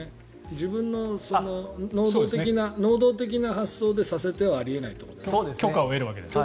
自分の能動的な発想で「させて」はあり得ないということだよね。